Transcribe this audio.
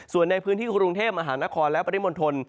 ส่วนในพื้นที่กรุงเทพมหานครและปริมณฑล